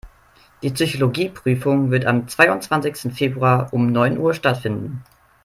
Die Psychologie-Prüfung wird am zweiundzwanzigsten Februar um neun Uhr stattfinden.